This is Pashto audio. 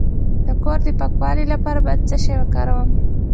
د کور د پاکوالي لپاره باید څه شی وکاروم؟